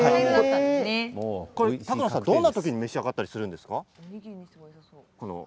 高野さん、どんな時に召し上がったりするんですか？